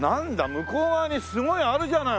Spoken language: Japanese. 向こう側にすごいあるじゃない。